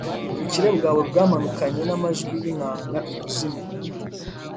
Ubukire bwawe bwamanukanye n’amajwi y’inanga ikuzimu,